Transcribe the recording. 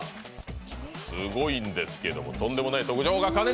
すごいんですけどとんでもない特徴が。